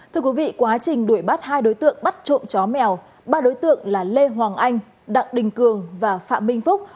thưa quý vị quá trình đuổi bắt hai đối tượng bắt trộm chó mèo ba đối tượng là lê hoàng anh đặng đình cường và phạm minh phúc